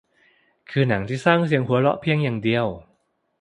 คือหนังที่สร้างเสียงหัวเราะเพียงอย่างเดียว